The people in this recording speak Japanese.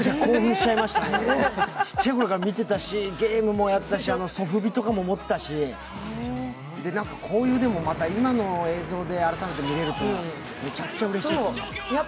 ちっちゃいときから見てたしゲームもやったし、ソフビとかも持ってたし、こういう今の映像で改めてみれるというのはめちゃくちゃうれしいですね。